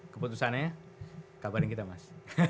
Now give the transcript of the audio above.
keputusannya kabarin kita mas